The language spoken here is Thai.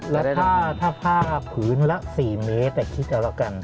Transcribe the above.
แล้วถ้าผ้าผืนละ๔เมตรแต่คิดเอาละกัน